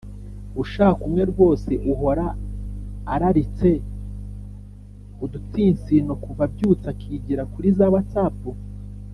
ushaka umwe rwose uhora araritse udutsinsinokuva abyutse akigira kuri za watsap?